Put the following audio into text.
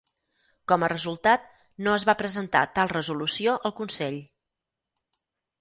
Com a resultat, no es va presentar tal resolució al Consell.